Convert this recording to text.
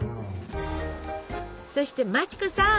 そして町子さん！